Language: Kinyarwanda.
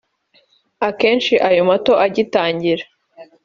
Akenshi ayo mato agitangira